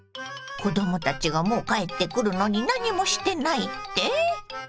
子どもたちがもう帰ってくるのに何もしてないって？